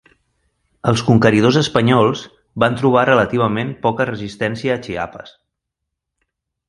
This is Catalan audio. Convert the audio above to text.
Els conqueridors espanyols van trobar relativament poca resistència a Chiapas.